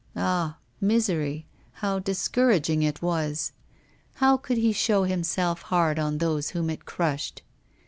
Ah! misery, how discouraging it was! how could he show himself hard on those whom it crushed?